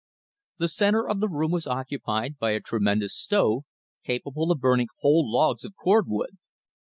The center of the room was occupied by a tremendous stove capable of burning whole logs of cordwood.